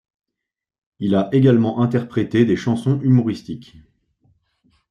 Il a également interprété des chansons humoristiques.